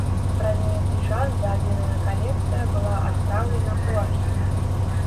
Праз нейкі час дадзеная калекцыя была адпраўлена ў архіў.